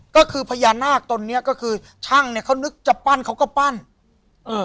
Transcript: ก็คือพญานาคตนเนี้ยก็คือช่างเนี้ยเขานึกจะปั้นเขาก็ปั้นเออ